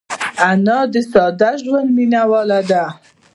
انا د ساده ژوند مینهواله ده